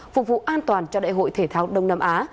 phục vụ an toàn cho đại hội thể thao đông nam á